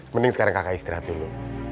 mending sekarang kakak istirahat dulu